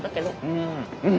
うんうん！